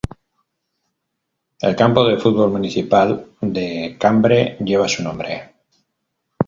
El campo de fútbol municipal de Cambre lleva su nombre.